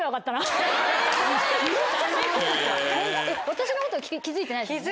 私のこと気付いてないですよね？